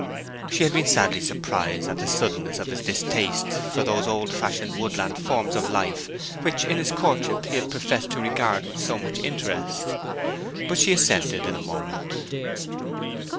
She had been sadly surprised at the suddenness of his distaste for those old fashioned woodland forms of life which in his courtship he had professed to regard with so much interest. But she assented in a moment.